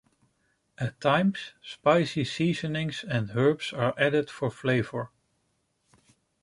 At times, spicy seasonings and herbs are added for flavour.